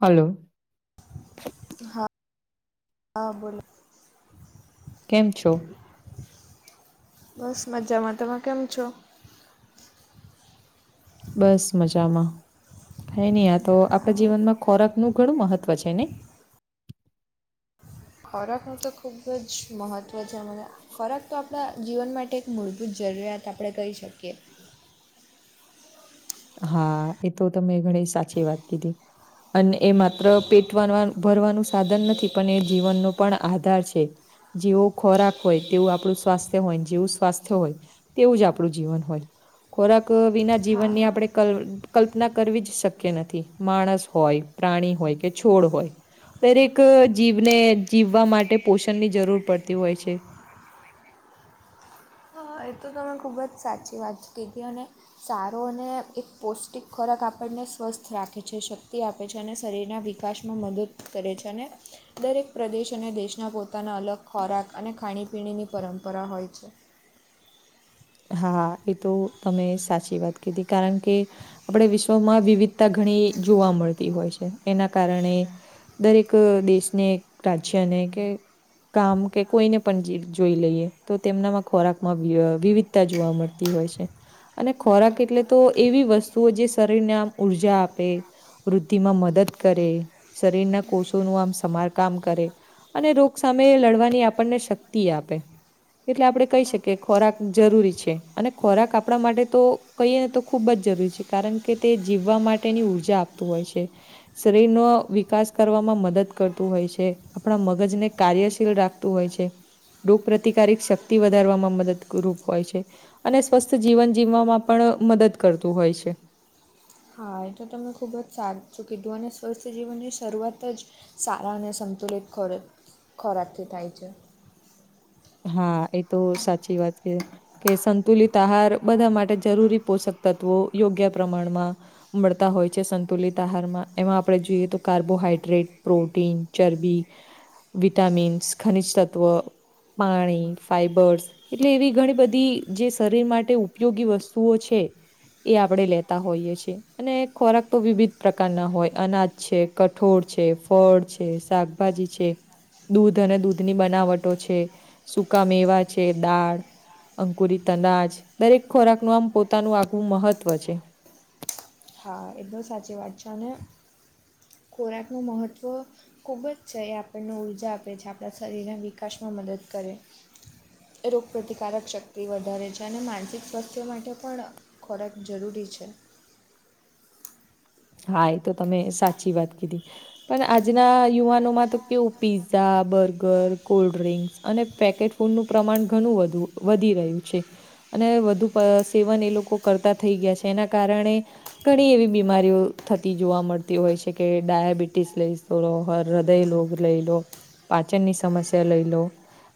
Hello હા હા બોલો કેમ છો બસ મજામાં તમે કેમ છો બસ મજામાં કાય નહી આ તો આપડા જીવનમાં ખોરાક નું ઘણું મહત્વ છે ને ખોરાકનું તો ખૂબ જ મહત્ત્વ છે માને ખોરાક તો આપણા જીવન માટે એક મૂળભૂત જરૂરિયાત આપણે કહી શકીએ હા એ તો તમે ઘણી સાચી વાત કીધી અને એ માત્ર પેટ ભરવાનું સાધન નથી પણ એ જીવનનો પણ આધાર છે જેવો ખોરાક હોય તેવું આપણું સ્વાસ્થ્ય હોય જેવું સ્વાસ્થ્ય હોય તેવું જ આપણું જીવન હોય ખોરાક વિના હા જીવનની આપણે કલ્પના કરવી જ શક્ય નથી માણસ હોય પ્રાણી હોય કે છોડ હોય દરેક જીવને જીવવા માટે પોષણની જરૂર પડતી હોય છે હ એ તો તમેં ખૂબ જ સાચી વાત કીધી અને સારો અને એક પૌષ્ટિક ખોરાક આપણને સ્વસ્થ રાખે છે શક્તિ આપે આપે છે અને શરીરના વિકાસમાં મદદ કરે છે અને દરેક પ્રદેશ અને દેશના પોતાના અલગ ખોરાક અને ખાણીપીણીની પરંપરા હોય છે હા એ તો તમે સાચી વાત કીધી કારણ કે આપણે વિશ્વમાં વિવિધતા ઘણી જોવા મળતી હોય છે એના કારણે દરેક દેશને રાજ્યને કે કામ કે કોઈને પણ જોઈ લઈએ તો તેમનામાં ખોરાકમાં વિવિધ ત્યા જોવા મળતી હોય છે અને ખોરાક એટલે તો એવી વસ્તુ જે શરીરને આમ ઊર્જા આપે વૃદ્ધિમાં મદદ કરે શરીરના કોષોનું આમ સમારકામ કરે અને રોગ સામે લડવાની આપણને શક્તિ આપે એટલે આપણે કહી શકીએ ખોરાક જરૂરી છે અને ખોરાક આપણા માટે તો કહીએ ને તો ખૂબ જ જરૂરી છે કારણ કે તે જીવવા માટેની ઊર્જા આપતું હોય છે. શરીરનો વિકાસ કરવામાં મદદ કરતું હોય છે આપણા મગજને કાર્યશીલ રાખતુ હોય છે રોગ પ્રતિકારિક શક્તિ વધારવામાં મદદરૂપ હોય છે અને સ્વસ્થ જીવન જીવવામાં પણ મદદ કરતું હોય છે. હા એ તો તમે ખૂબ જ સાચૂ કીધું અને સ્વસ્થ જીવનની શરૂઆત જ, સારા અને સંતુલિત ખોરા ખોરાકથી થાય છે. હા એ તો સાચી વાત કે, કે સંતુલિત આહાર બધા માટે જરૂરી પોષક તત્વો યોગ્ય પ્રમાણમાં. મળતા હોય છે. સંતુલિત આહારમાં એમાં આપણે જોઈએ તો કાર્બોહાઈડ્રેટ, પ્રોટીન, ચરબી વિટામિન્સ, ખનિજ તત્વ, પાણી, ફાઈબર્સ એટલે એવી ઘણી બધી જે શરીર માટે ઉપયોગી વસ્તુઓ છે. એ આપણે લેતા હોઈએ છીએ. અને ખોરાક તો વિવિધ પ્રકારના હોય અનાજ છે, કઠોળ છે, ફળ છે. શાકભાજી છે. દૂધ અને દૂધની બનાવટો છે. સુકા મેવા છે, દાળ અંકુરી તનાજ દરેક ખોરાક નું આમ પોતાનું આગવું મહત્વ છે. હા એ બહુ સાચી વાત છે અને ખોરાકનું મહત્ત્વ, ખૂબ જ છે એ આપણને ઊર્જા આપે છે. આપણા શરીરના વિકાસમાં મદદ કરે. રોગપ્રતિકારક શક્તિ વધારે છે અને માનસિક સ્વાસ્થ્ય માટે પણ, ખોરાક જરૂરી છે. હા એ તો તમે સાચી વાત કીધી. પણ આજના યુવાનોમાં તો કેવું પીઝા, બર્ગર, કોલ્ડ્રિંક્સ અને પેકેટ ફૂડનું પ્રમાણ ઘણું વધુ વધી રહ્યું છે. અને વધુ સેવન એ લોકો કરતા થઈ ગયા છે, એના કારણે ઘણી એવી બીમારીઓ થતી જોવા મળતી હોય છે કે ડાયાબિટીસ લઈ, હર હૃદય રોગ લઈ લો. પાચનની સમસ્યા લઈ લો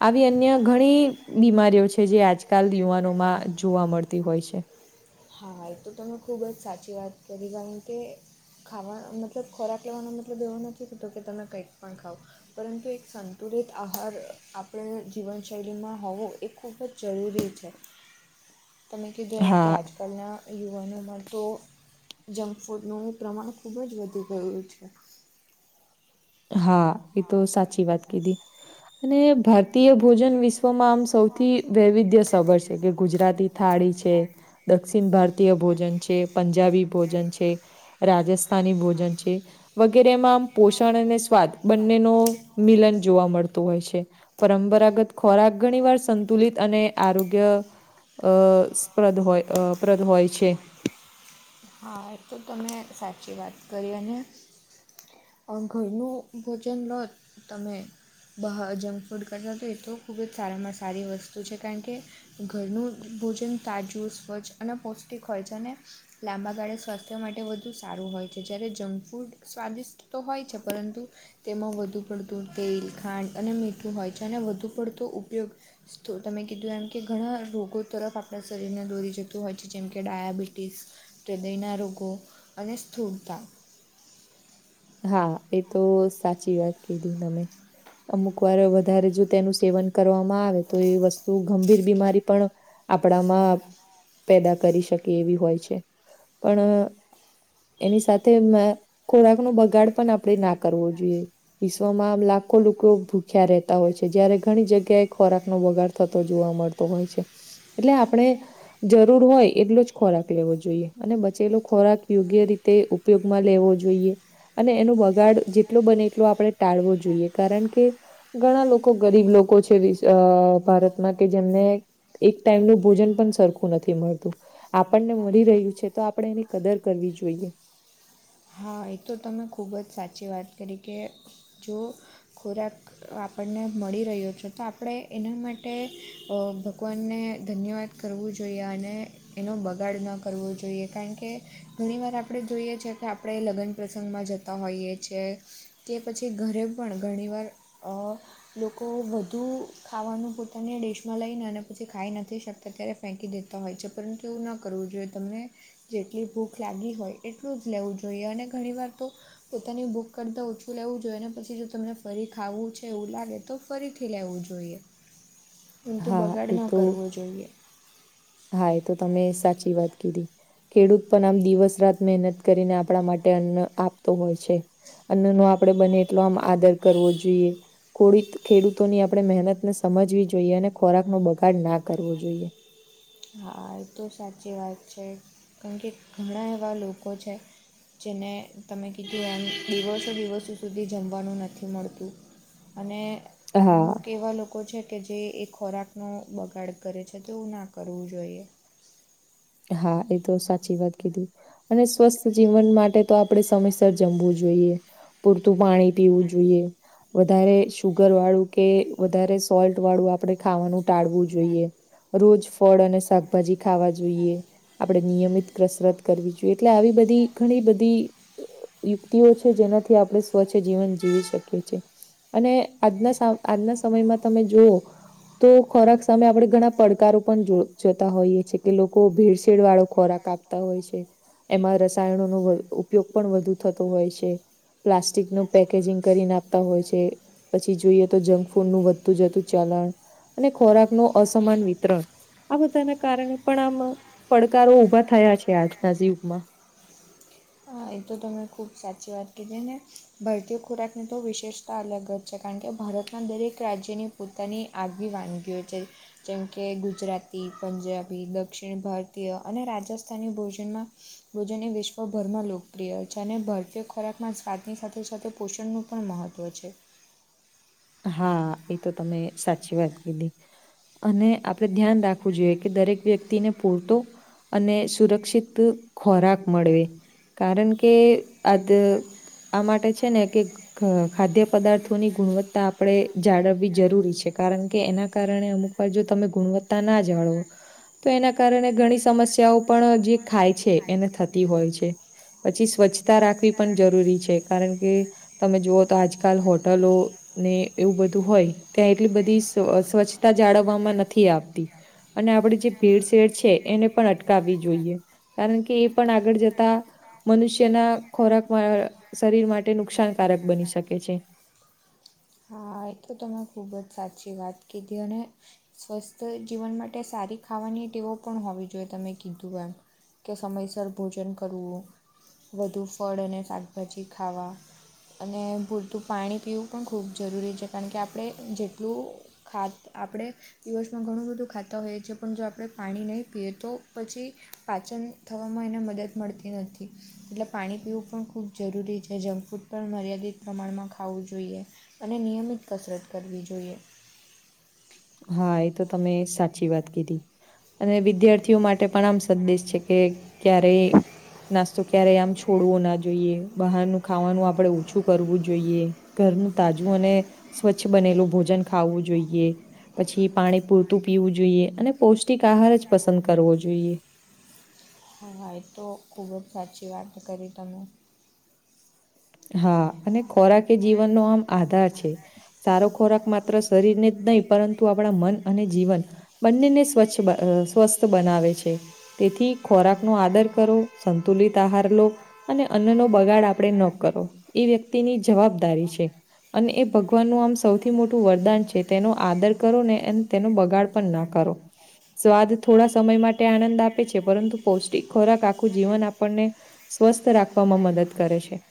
આવી અન્ય ઘણી બીમારીઓ છે, જે આજકાલ યુવાનોમાં જોવા મળતી હોય છે. હા ઈ તો તમે ખૂબ જ સાચી વાત કરી કારણ કે, ખાવા મતલબ ખોરાક લેવાનો મતલબ એવો નથી થતો કે તમે કંઈક પણ ખાવ પરંતુ એક સંતુલિત આહાર આપણે જીવનશૈલીમાં હોવો એ ખૂબ જ જરૂરી છે. [inaudible] તમે કીધું એમ કે હા આજકાલના, યુવાનોમાં તો જંક ફૂડનું પ્રમાણ ખૂબ જ વધી ગયું છે. હા એ તો સાચી વાત કીધી અને ભારતીય ભોજન વિ વિશ્વમાં આમ સૌથી વૈવિધ્ય સબર છે, કે ગુજરાતી થાળી છે દક્ષિ ભારતીય ભોજન છે, પંજાબી ભોજન છે રાજેસ [unintelligible] ભોજન છે વગેરે પો- અને સ્વાદ બંનેનો મિલન જોવા મળ- તો હોય છે. પરંપરાગત ખોરાક ઘણી વાર સંતુલિત અને આરોગ્ય અ સ્પદ હોય અ પ્રદ હોય છે. હા તમે સાચી વાત કરી અને ઘરનું ભોજન લો તમે. બહાર જંક ફૂડ કરતા તો એ તો ખૂબ જ સારામાં સારી વસ્તુ છે કારણ કે, ઘરનું ભોજન તાજું સ્વચ્છ અને પૌષ્ટિક હોય છે અને લાંબા ગાળે સ્વાસ્થ્ય માટે વધુ સારું હોય છે, જ્યારે જંક ફૂડ સ્વાદિષ્ટ તો હોય છે પરંતુ તેમાં વધુ પડતું તેલ, ખાંડ અને મીઠું હોય છે, ને વધુ પડતો ઉપયોગ તમે કીધું એમ કે ઘણા રોગો તરફ આપણા શરીરને દોરી જતું છે, જેમ કે ડાયાબિટીસ હૃદયના રોગો અને સ્થૂળતા હા, એ તો સાચી વાત કહી તમે. અમુક વાર વધારે સેવન કરવામાં આવે તો એ વસ્તુ ગંભીર બીમારીનું કારણ પણ બની શકે છે. આપણામાં પેદા કરી શકે એવી હોય છે, પણ એની સાથે ખોરાકનો બગાડ પણ આપણે ન કરવો જોઈએ. વિશ્વમાં આમ લાખો લોકો ભૂખ્યા રહેતા હોય છે, જ્યારે ઘણી જગ્યાએ ખોરાકનો બગાડ થતો જોવા મળે છે. હોય છે, એટલે આપણે ખોરાકનો બગાડ ન કરવો જોઈએ. જરૂર હોય એટલો જ ખોરાક લેવો જોઈએ અને બચેલો ખોરાક યોગ્ય રીતે સાચવીને ઉપયોગમાં લેવો જોઈએ. તે ઉપયોગમાં લેવો જોઈએ. અને એનો બગાડ જેટલો બને એટલો આપણે ટાળવો જોઈએ, કારણ કે... ઘણા લોકો ગરીબ છે ભારતમાં, જેમને એક ટાઈમનું ભોજન પણ સરખું નથી મળતું. આપણે મળી રહ્યું છે, તો આપણે એની કદર કરવી જોઈએ. હા, એ તો તમે ખૂબ જ સાચી વાત કરી કે જો ખોરાક આપણે ખોરાક મળી રહ્યો છે, તો આપણે એના માટે ભગવાનનો ધન્યવાદ માનવો જોઈએ. કરવું જોઈએ અને ખોરાકનો બગાડ પણ ન કરવો જોઈએ. એનો બગાડ ન કરવો જોઈએ, કારણ કે આપણે જોઈએ છીએ કે ઘણા લોકો પાસે પૂરતો ખોરાક પણ નથી. કે આપણે લગ્ન પ્રસંગમાં જતા હોઈએ છીએ ને કે પછી ઘરે પણ ઘણી વાર ખોરાકનો બગાડ થતો હોય છે. લોકો ઘણી વાર વધારે ખાવાનું પોતાની ડિશમાં લઈ લે છે અને પછી એ ખાઈ શકતા નથી. એને પછી ફેંકી દેતા હોય છે, પરંતુ એવું ન કરવું જોઈએ. જેટલી ભૂખ લાગી હોય એટલું જ લેવું જોઈએ અને ઘણી વાર તો પોતાની ભૂખ કરતાં ઓછું લેવું જોઈએ ને, પછી જો તમને ફરી ખાવાનું મન થાય તો ફરીથી લેવું જોઈએ. [inaudible] [unintelligible] ખોરાકનો હા બગાડ એ ન તો કરવો જોઈએ. હા, એ તો તમે સાચી વાત કહી. ખેડૂત પણ આમ દિવસ-રાત મહેનત કરીને આપણા માટે અન્ન પેદા કરતા હોય છે. અન્નનો આપણે બને એટલો આદર કરવો જોઈએ. ખેડૂતોની આપણે મહેનતને સમજવી જોઈએ અને ખોરાકનો બગાડ ન કરવો જોઈએ. હા, એ તો તમે સાચી વાત કહી, કારણ કે ઘણા એવા લોકો છે જેને તમે કહ્યું એમ, ઘણા લોકો એવા છે જેમને દિવસો સુધી જમવાનું પણ મળતું નથી. અને હા અમુક એવા લોકો છે જે ખોરાકનો બગાડ કરે છે, પરંતુ એવું ન કરવું જોઈએ. કરવું જોઈએ. હા, એ તો સાચી વાત કીધી. અને સ્વસ્થ જીવન માટે તો આપણે સમયસર જમવું જોઈએ. પૂરતું પાણી પીવું જોઈએ. વધારે શુગરવાળો કે વધારે મીઠુંવાળો ખોરાક આપણે ખાવાનું ટાળવું જોઈએ. રોજ ફળ અને શાકભાજી ખાવા જોઈએ. આપણે નિયમિત કસરત કરવી જોઈએ, એટલે આવી બધી ઘણી બધી બાબતોનું ધ્યાન રાખવું જોઈએ. એવી ઘણી બધી યુક્તિઓ છે, જેનાથી આપણે સ્વસ્થ જીવન જીવી શકીએ છીએ. અને આજના સમયમાં તમે જુઓ તો તો ખોરાકના મામલે આપણે ઘણા પડકારો પણ જોતા હોઈએ છીએ. કે લોકો ભેળસેળવાળો ખોરાક આપતા હોય છે. એમાં રસાયણોનો ઉપયોગ પણ વધુ થતો હોય છે પ્લાસ્ટિક નું પેકેજીંગ કરીને આપતા હોય છે પછી જોઈએ તો જંક ફૂડનું વધતું જતું ચલણ અને ખોરાક નો અસમાન વિતરણ આ બધાના કારણે પણ આમ પડકારો ઉભા થયા છે આજના જ યુગમાં હા એ તો તમે ખૂબ સાચી વાત કીધી ને ભારતીય ખોરાકની તો વિશેષતા અલગ જ છે કારણ કે ભારત ના દરેક રાજ્યની પોતાની આગવી વાનગીઓ છે. કેમકે ગુજરાતી, પંજાબી, દક્ષિણ ભારતીય, અને રાજસ્થાની ભોજનમાં ભોજને વિશ્વભરમાં લોકો પ્રિય છે અને ભારતીય ખોરાકમાં સ્વાદની સાથે સાથે પોષણનું પણ મહત્ત્વ છે. હા એ તો તમે સાચી વાત કીધી અને આપડે ધ્યાન રાખવું જોઈએ કે દરેક વ્યક્તિને પૂરતો અને સુરક્ષિત ખોરાક મળે કારણ કે આ આ માટે છે ને કે ખાદ્ય પદાર્થોની ગુણવત્તા આપણે જાળવવી જરૂરી છે કારણ કે એના કારણે અમુક વાર જો તમે ગુણવત્તા ના જાળવો તો એના કારણે ઘણી સમસ્યાઓ પણ જે ખાય છે એને થતી હોય છે. પછી સ્વચ્છતા રાખવી પણ જરૂરી છે કારણ કે તમે જુઓ તો આજકાલ હોટલો ને એવું બધું હોય ત્યાં એટલી બધી સ્વ સ્વચ્છતા જાળવવામાં નથી આવતી અને આપણે જે ભેડ શેડ છે એને પણ અટકાવવી જોઈએ કારણ કે એ પણ આગળ જતા મનુષ્યના ખોરાકમાં શરીર માટે નુકસાનકારક બની શકે છે હા એ તો તમે ખૂબ જ સાચી વાત કીધી અને સ્વસ્થ જીવન માટે સારી ખાવાની ટેવો પણ હોવી જોઈએ તમે કીધું એમ કે સમયસર ભોજન કરવું વધુ ફળ અને શાકભાજી ખાવા અને પૂરતું પાણી પીવું પણ ખૂબ જરૂરી છે કારણ કે આપણે જેટલું ખાદ આપણે દિવસમાં ઘણું બધું ખાતા હોઈએ છીએ પણ જો આપણે પાણી નહીં પીએ તો પછી પાચન થવામાં એને મદદ મળતી નથી એટલે પાણી પીવું પણ ખૂબ જરૂરી છે જંક ફૂડ પણ મર્યાદિત પ્રમાણમાં ખાવું જોઈએ. અને નિયમિત કસરત કરવી જોઈએ. હા એ તો તમે સાચી વાત કીધી અને વિદ્યાર્થીઓ માટે પણ આમ સંદેશ છે કે ક્યારે નાસ્તો ક્યારેય આમ છોડવો ના જોઈએ બહારનું ખાવાનું આપણેે ઓછું કરવું જોઈએ. ઘરનું તાજું અને સ્વચ્છ બનેલું ભોજન ખાવવું જોઈએ. પછી પાણી પૂરતું પીવું જોઈએ અને પૌષ્ટિક આહાર જ પસંદ કરવો જોઈએ. હા હ એ તો ખૂબ જ સાચી વાત કરી તમે હા અને ખોરાક એ જીવનનો આમ આધાર છે. સારો ખોરાક માત્ર શરીરને જ નહીં પરંતુ આપણા મન અને જીવન બંનેને સ્વચ્છ અ સ્વસ્થ બનાવે છે. તેથી ખોરાકનો આદર કરો સંતુલિત આહાર લો. અને અન્નનો બગાડ આપડે ન કરો એ વ્યક્તિની જવાબદારી છે. અને એ ભગવાનનું આમ સૌથી મોટું વરદાન છે તેનો આદર કરો ને અને તેનો બગાડ પણ ન કરો. સ્વાદ થોડા સમય માટે આણંદ આપે છે પરંતુ પૌષ્ટિક ખોરાક આખું જીવન આપણને સ્વસ્થ રાખવામાં મદદ કરે છે.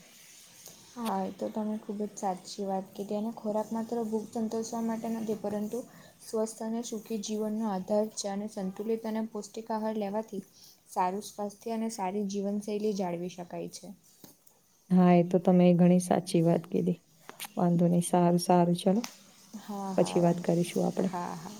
હા, એ તો તમે ખૂબ જ સાચી વાત કીધી અને ખોરાક માત્ર ભૂખ સંતોષવા માટે નથી પરંતુ સ્વસ્થ અને સુખી જીવનનો આધાર [unintelligible] સંતુલિત અને પૌષ્ટિક આહાર લેવાથી સારું સ્વાસ્થ્ય અને સારી જીવનશૈલી જાળવી શકાય છે. હા, એ તો તમે ઘણી સાચી વાત કીધી વાંધો નહી સારું સારું ચલો હા હા પછી વાત વાંધો કરીશું નહીં આપડે. હા હા